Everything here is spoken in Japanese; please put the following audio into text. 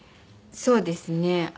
そうですね。